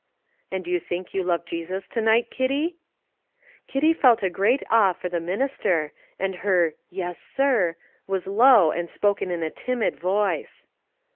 "And you think you love Jesus to night, Kitty?" Kitty felt a great awe for the minister, and her "Yes, sir," was low, and spoken in a timid voice.